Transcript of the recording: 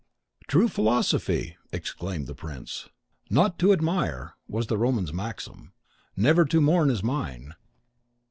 "True philosophy!" exclaimed the prince. "'Not to admire,' was the Roman's maxim; 'Never to mourn,' is mine.